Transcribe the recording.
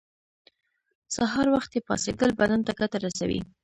سهار وختی پاڅیدل بدن ته ګټه رسوی